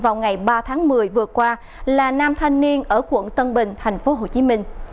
vào ngày ba tháng một mươi vừa qua là nam thanh niên ở quận tân bình thành phố hồ chí minh